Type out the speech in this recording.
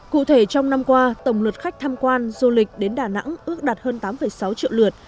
cụ thể trong năm qua tổng lượt khách tham quan du lịch đến đà nẵng ước đạt hơn tám sáu triệu lượt